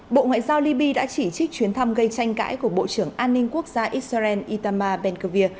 bộ ngoại giao libya đã chỉ trích chuyến thăm gây tranh cãi của bộ trưởng an ninh quốc gia israel itamar ben kavir